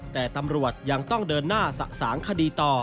แต่ตำรวจยังต้องเดินหน้าสะสางคดีต่อ